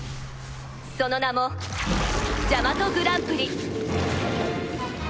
その名もジャマトグランプリ